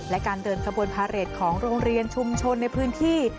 และการเดินขบวนพาเรทของโรงเรียนชุมชนในพื้นที่